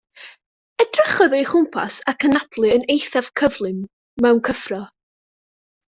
Edrychodd o'i chwmpas ac anadlu yn eithaf cyflym mewn cyffro.